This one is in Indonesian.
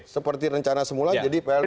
seperti rencana semula jadi pln